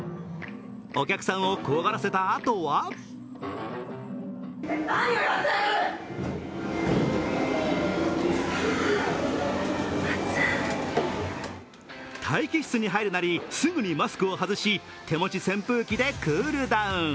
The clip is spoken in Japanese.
お客さんを怖がらせたあとは待機室に入るなり、すぐにマスクを外し手持ち扇風機でクールダウン。